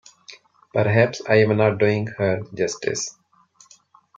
Perhaps I am not doing her justice.